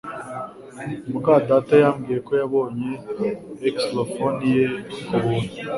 muka data yambwiye ko yabonye xylophone ye kubuntu